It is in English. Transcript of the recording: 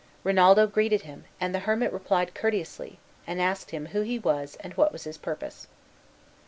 Rinaldo greeted him, and the hermit replied courteously, and asked him who he was and what was his purpose.